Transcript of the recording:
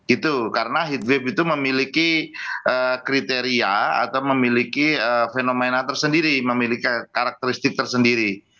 itu karena hitweet itu memiliki kriteria atau memiliki fenomena tersendiri memiliki karakteristik tersendiri